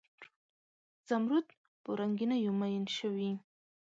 زمرود په رنګینیو میین شوي